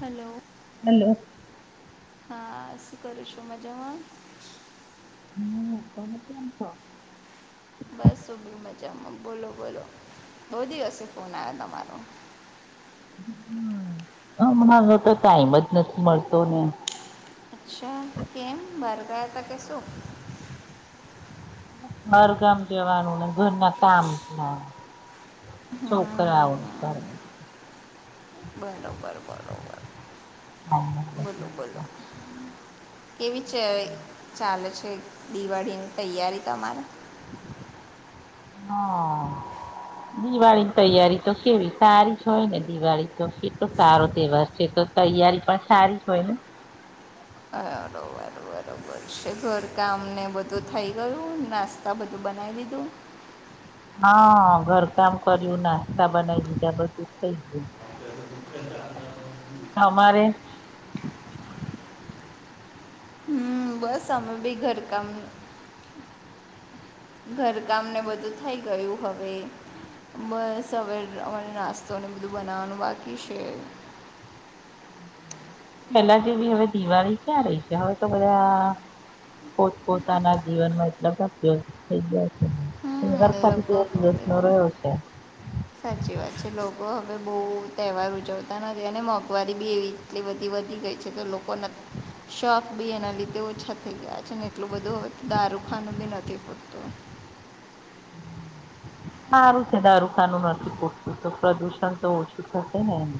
Hello હાલો હા શું કરું છું મજામાં હમમસો બસ ઉભી મજામાં બોલો બોલો બહ દિવસે ફોન આવ તમારો હમણાં તો ટાઈમ જ નથી મળતો ને અચ્છા કેમ બારગાતા કેસો હરગામ જવાનું ને ઘરના કામ છોકરા હા આવું બરાબર બરોબર બરોબર બલો બલો કેવી છે ચાલે છે દિવાળીની તૈયારી તમારે હા દિવાળીની તૈયારી તો કેવી સારી હોય ને દિવાળી તો કેટલો સારો તહેવાર છે તો તૈયારી પણ સારી જ હોય ને [unintelligible] ઘર કામ ને બધું થઈ ગયું નાસ્તા બધું બનાવી દીધું હા ઘરકામ કર્યું નાસ્તા બનાવી દીધા બધું થઈ ગયું. તમારે હમ બસ આમાં બી ઘરકામ ઘરકામને બધું થઇ ગયું હવે બસ હવે અમારે નાસ્તોને બધું બનાવવાનું બાકી છે. પેલા જેવી હવે દિવાળી ક્યાં રહી છે હવે તો બધા પોત પોતાના જીવનમાં એટલા બધા વ્યસ્ત થઈ ગ્યા છેને હમ લોકો સાચી વાત છે લોકો હવે બહુ તહેવાર ઉજવતા નથી અને મોંઘવારી બી એવી એટલી બધી વધી ગઈ છે તો લોકો ને શોક બી એના લીધે ઓછા થઈ ગયા છે ને એટલું બધું દારૂ ખાનું બી નથી ફૂટતું. હારું છે દારૂખાનું નથી ફૂટતું તો પ્રદુષણ તો ઓછું થશે ને એમ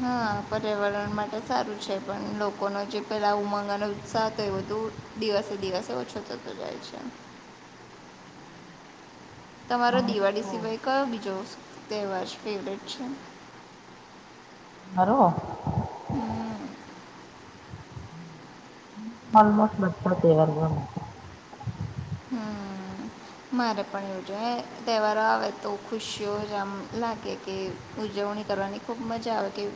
હા પર્યાવરણ માટે સારું છે પણ લોકોનો જે પેલા ઉમંગ અને ઉત્સાહ હતો એ બધું દિવસે દિવસે ઓછો થતો જાય છે. હ તમારો અમે દિવાળી તો સિવાય કયો બીજો તહેવાર જ ફેવરેટ છે. [unintelligible] હમ્મ ઓલમોસ્ટ બધા તેવાર હમ મારે પણ એવુંજ તહેવારો આવે તો ખુશીઓ જ આમ લાગે કે ઉજવણી કરવાની ખૂબ મજા આવે કે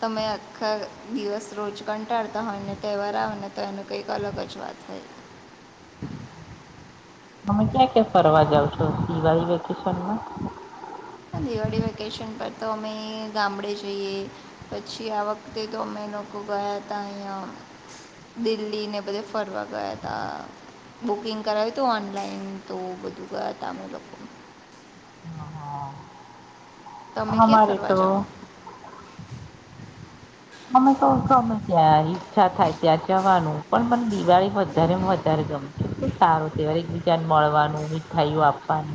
તમે આખા દિવસ રોજ કંટાળતા હોય ને ત્યારે, તેહવાર આવે ને તો એનું કંઈક અલગ જ વાત હોય. [inaudible] તમે ક્યાં ક્યાં ફરવા જાવ છો દિવાળી વેકેશનમાં દિવાળી વેકેશન પર તો અમે ગામડે જઈએ પછી આ વખતે તો, અમે લોકો ગયા તા અહિયાં દિલ્હી ને બધે ફરવા ગયા તા બુકિંગ કરાવ્યું હતું ઓનલાઈન તો બધું ગયા તા અમે લોકો હા હા તમે ક્યાં ફરવા જાાવ અમે તો ગમે ત્યાં ઈચ્છા થાય ત્યાં જવાનું પણ મને દિ વાળી માં વધારેમ વધારે ગમે તું સારું કેવાય એકબીજાને મળવાનું મીઠાઈયુ આપવાનુ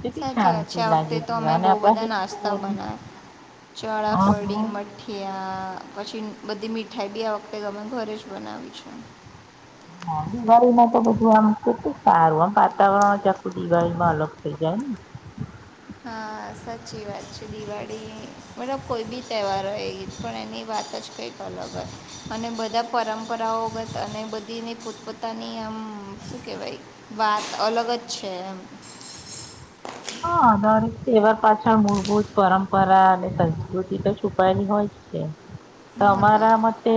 કેટલી સાચી વાત છે શાંતિ આ લાગે વખતે તો [unintelligible] અને આપણા હિન્દુઓનું ચોળાફડી મઠિયા પછી બધી મીઠાઈ બી આ વખતે અમે ઘરે જ બનાવી છે હા દિવાળીમાં તો બધું આમ કેટલું સારું આમ વાતાવરણ આખું દિવાળીમાં અલગ થઇ જાય. એમ હા સાચી વાત છે દિવાળી મતલબ કોઈ બી તહેવાર હોય પણ એની વાત વાત જ કંઈક અલગ હોય અને બધા પરંપરાઓગત અને બધીને પોતપોતાની આમ હમ શું કેહેવાય વાત અલગ જ છે. એમ હા દરેક તહેવાર પાછળ મૂળભૂત પરંપરા અને સંસ્કૃતિ તો છુપાયેલી હોય છે તમારા મતે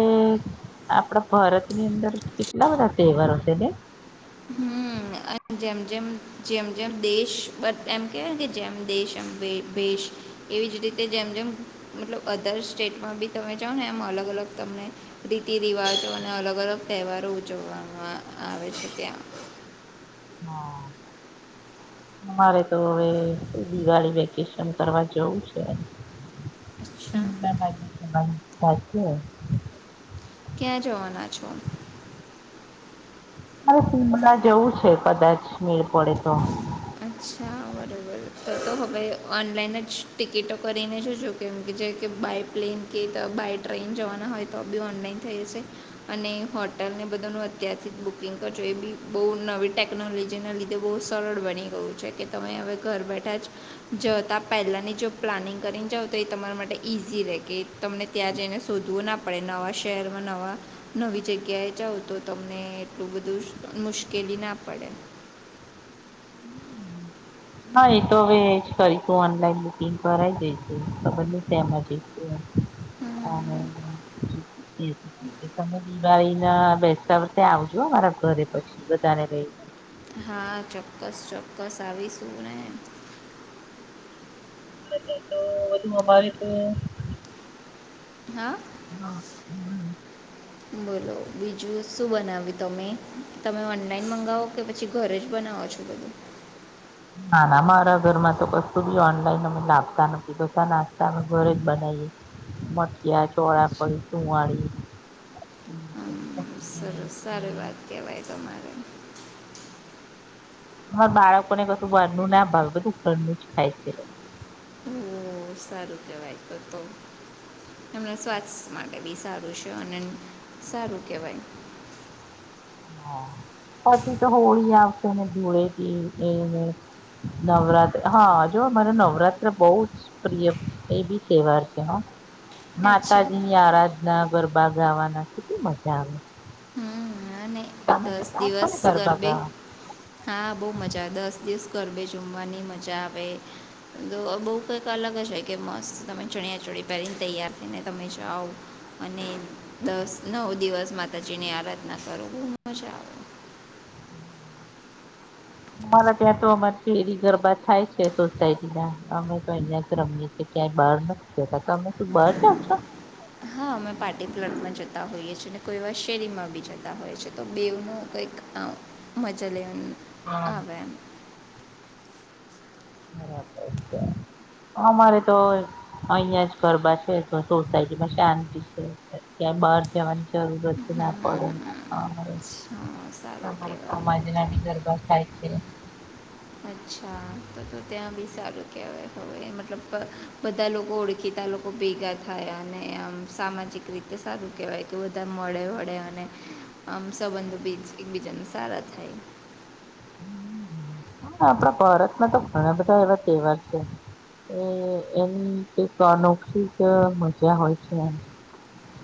આપડા ભારતની અંદર કેટલા બધા તહેવારો છે ને હમ્મ. અને જેમ જેમ, જેમ જેમ દેશ બટ એમ કહેવાયને કે જેમ દેશ એમ ભેશ એવીજ રીતે જેમ જેમ મતલબ અધર સ્ટેટમાં બી તમે જાઓ ને, એમ અલગ અલગ તમને રીતિ રિવાજો અને અલગ અલગ તહેવારો ઉજવવામાં આવે છે. ત્યાં હા. અમારે તો હવે દિવાળી વેકેશન કરવા જવું છે. અચ્છા [inaudible] ક્યાં જવાના છો? મારે શિમલા જેવું છે કદાચ [unintelligible] અચ્છા [unintelligible] [unintelligible] તો તો હવે ઓનલાઈન જ ટિકિટો કરીને જો કેમ કે જે કે બાય પ્લેન કે, બાય ટ્રેન જવાના હોય તો બી ઓનલાઈન થઈ જશે અને હોટલ ને બધાનું અત્યારથીજ બુકિંગ કરજો એ બી બો નવી ટેકનોલોજીના લીધે બી સરળ બની ગયું છે, કે તમે હવે ઘર બેઠાજ જતા પહેલાની જો પ્લાનિંગ કરીને જાવ તો એ તમારા માટે ઈઝી રે કે તમને ત્યાં જઈને શોધવું ના પડે. નવા શહેરમાં નવા નવી જગ્યાએ જાવ તો તમને એટલું બધું મુશ્કેલી ના પડે. હા, એતો હવે એજ કરીશું ઓનલાઈન બુકિંગ કરાઈ દઈશુ [inaudible] [inaudible] તમે દિવાળી ના બેસતા વરસે આવજો મારા ઘરે પછી, બધાને લઈને હા, ચોક્કસ ચોક્કસ આવી શું ને અત્યારે તો વધુમાં ભાવ તો હા, હા બોલો બીજું? શું બનાવ્યું તમે, તમે ઓનલાઈન મંગાવો કે પછી ઘરેજ બનાવો છો, બધું? ના ના મારા ઘર માં તો કશું બી ઓનલાઈન અમે લાવતા નથી, બધા નાસ્તા ઘરેજ અમે ઘરેજ બનાવીએ મઠિયા, ચોરાફળી, ચુંવારી હમ્મ, સરસ સારી વાત કેવાય તમારે. હા, બાળકોને કશું ઘરનું ના ભાવે બધું ઘરનું જ ખાય છે, એ લોકો ઓ, સારું કેવાય તો તો એમણા સ્વાસ્થ્ય માટે બી સારું છે અને સારું કેહેવાય હા, પછી તો હોળી આવસે ને ધુળેટી કે એને નવરાત્ર હા, જો મને નવરાત્ર બીજ પ્રિય એ બી તહેવાર છે, હા. અચ્છા માતાજીની આરાધના, ગરબા ગાવાના, કેટલી મજા આવે. હમ્મ. અને તમે દસ જતા હશો દિવસ ને ગરબા ગરબે. ગાવા હા, બો મજા આવે દસ દિવસ ગરબે ઝૂમવાની મજા આવે, તો બો કંઈક અલગ જ હોય કે મસ્ત તમે ચણ્યાચો ડી પહેરીને તૈયાર થઈને તમે જાઓ અને દસ નવ દિવસમાં માતાજીની આરાધના કરો, બો મજા આવે અમારા ત્યાં તો અમારી શેરી ગરબા થાય છે સોસાયમા, અમે તો અહિયાંજ રમીએ છીએ. ક્યાંય બહાર નથી જતા, તમે શું બહાર જાવ છો? હા, અમે પાર્ટી પ્લોટમાં જતા હોઈએ છે ને કોઈ એવા શેરીમાં બી જતા હોઈએ છે, તો બેવનું કંઈક [unintelligible] મજા લેવન હા આવ એમ બરાબર છે. અમારે તો અહિયાં જ ગરબા છે, તો સોસાયટીમાં શાંતિ છે, ક્યાંય બહાર જવાની જરૂરત ના પડે હા સારું કહેવાય એ [unintelligible] તો નાની ગરબા થાય એ અચ્છા, તો તો ત્યાં બી સારું કહેવાય, હવે મતલબ બધા લોકો ઓળખીતા લોક કો ભેગા થાય અને આમ સામાજિક રીતે સારું કહેવાય કે વધુ બધા મળે વળે અને આમ સંબંધ બીજ એકબીજાને સારા થાય આપણા ભારતમાં તો ઘણા બધા એવા તહેવાર છે એ એની એક અનૌખિક મજા હોય છે એમ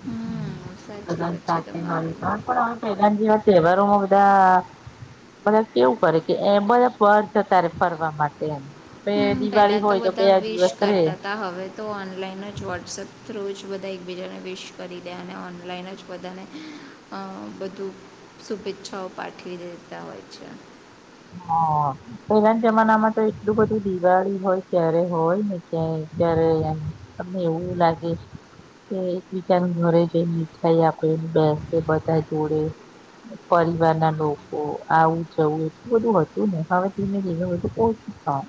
હમ સાચી બધા વાત છે સાથે પણ તમારી પલા જેવા તહેવારોમાં બધા બ કેવું કરે કે એ બધા ફર્ છે તારે ફરવા માટે એમ બે હમ પેલા દિવાળી તો હોય બે બધા વિશ દિવસ રે કરતા હતા હવે તો ઓનલાઈન જ વોટ્સઅપ થ્રુ જ બધા એકબીજાને વિશ કરી દે અને ઓનલાઈન જ બધાને બધું પી્છાઓ પાઠવી દેતા હોય છે હા પહેલાના જમાનામાં તો એટલું બધું દિવાળી હોય ક્યારે હોય ને ક્યાંય જ્યારે તમને એવું લાગે કે એકબીજાનું ઘરે જઈ મીઠાઈ આપે બે બધા જોડે પરિવાર ના લોકો આવું જવું બધું હતુંવે ધીમે ધીમે બધું પછું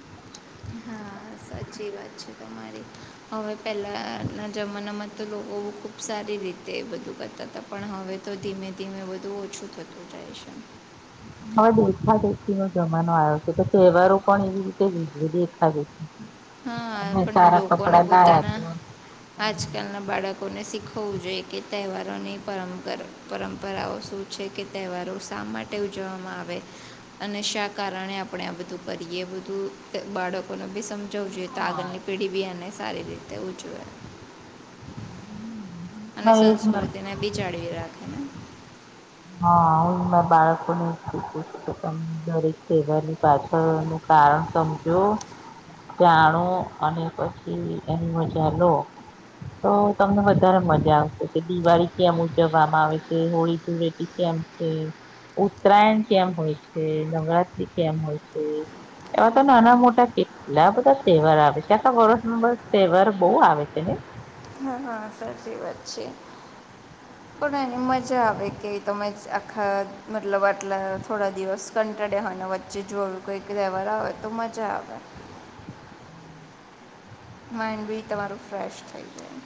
હા સાચી વાત છે તમારી હવે પહેલાના જમાનામાં તો લોકો બ ખૂબ સારી રીતે બધું કરતા હતા પણ હવે તો ધીમે ધીમે બધું ઓછું થતું જાય છે હમ હવે દેખા દેખી નો જમાનો આવ્યો છે તો તહેવારો પણ એવી રીતે જ દેખા દેખ હા પણ લોકોને લાયા પોતાના તો આજકાલ ના બાળકોને શીખવવું જોઈએ કે તહેવારોની પરંપર પરંપરાઓ શું છે કે તહેવારો શા માટે ઉજવવામાં આવે અને શા કારણે આપણે આ બધું કરીએ બધું બાળકો ન બી સમ જવું જોઈએ તો હા આગળની પેઢી બી એને સારી રીતે ઉજવે હમ અને સંસ્કૃતિને બી જાળવી રાખે ને હા બાળકોને શીખું છું કે તમે દરેક સેવારની પાછળ નું કારણ સમજો જાણો અને પછી એની મજા લો તો તમને વધારે મજા આવશે કે દિવાળી કેમ ઉજવવામાં આવે છે હોળી જોડે ઇમ છે ઉત્તરાયણ કેમ હોય છે નવરાત્રી કેમ હોય છે એવા તો નાના મોટા કેલા બધા તહેવાર આવે છે આખા વર્ષમાં બસ તહેવાર બહુ આવે છે ને [inaudible] હા હા સાચી વાત છે [inaudible] પણ એને મજા આવે કે તમે આખા મતલબ આટલા થોડા દિવસ કંટાડેવાની વચ્ચે જો કોઈક રહેવાર આવેય તો મજા આવે હમ માઇન્ડ બી તમારું ફ્રેશ થઈ જાય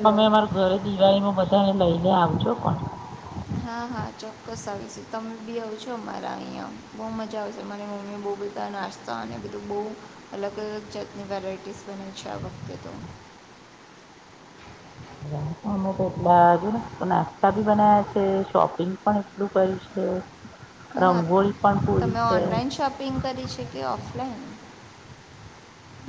હલો તમે અમાર ઘરે દિવાળીમાં બધાને લઈને આવે હા હા ચોક્કસ આવી પછી તમે બી આવ છો મામારા અહીંયા બહુ મજા આવશે મરી મમ્મી બહુ બધા નાસ્તા અને બધું બહુ અલગ અલગ જાતની વેરાયટીસ બના છે આ વખતે તો [inaudible] અમે તો એટલાુ ને નાસ્તા ભી બના્યા છે શોપિંગ પણ એટલું કર્યું છે હા રંગોળી પણ પૂરી તમે છે ઓનલાઈન શોપિંગ કરી છે કે ઓફલાઈન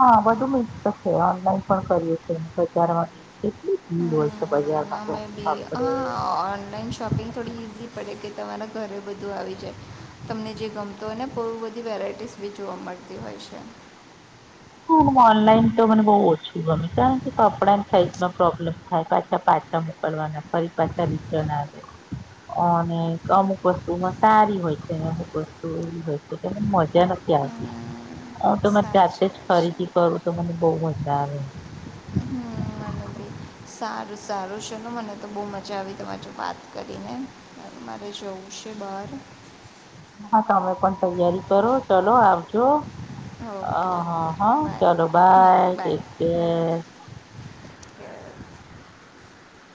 હા વધુ મિક્સ ઓનલાઈન પણ કરીએીએ બજાર માં કેટલી ભીલ હોય છે બજાર હમે બી હા ઓનલાઇન શોપિંગ થોડી ઇઝી પડે ગઈ તમારા ઘરે બધું આવી જાય તમને જે ગમતોયને બહુ બધી વેરાયટીસ બી જોવા મળતી હોય છે હ ઓનલાઈન તો મને બહ ઓછું ગમે કારણ કે કપડા સાઈઝ નો પ્રોબ્લેમ પાછા પાછા મોકલવાના ફરી પાછા રિટર્ન આવે અને અમુક વસ્તુમાં તારી હોય છે, અમુક વસ્તુ એવી હોય છે, કે મજા નથી આવેતી હમ [unintelligible] તોરે જાતે સાચી જ વાત ખરીદી છે કરુ, તો મને બહ મજા આવે સારુ સારુ છેલો મને, તો બહુ મજા આવી તમા જો વાત કરીને મારે જવું છે. બાર હા, તમે પણ તૈયારી કરો ચલો, આવજો અ ઓકે હા, ઓકે હા બાય ચાલો હમ ભાઈ કે